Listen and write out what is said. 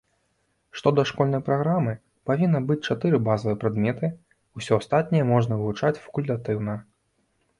Што да школьнай праграмы, павінна быць чатыры базавыя прадметы, усё астатняе можна вывучаць факультатыўна.